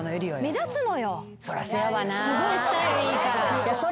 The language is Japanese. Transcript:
すごいスタイルいいから。